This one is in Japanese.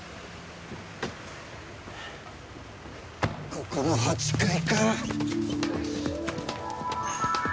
ここの８階か。